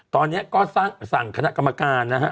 ตอนนี้ก็สั่งคณะกรรมการนะฮะ